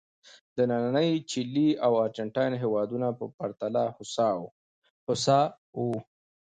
د نننۍ چیلي او ارجنټاین هېوادونو په پرتله هوسا وو.